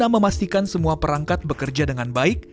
memastikan semua perangkat bekerja dengan baik